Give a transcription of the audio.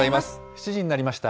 ７時になりました。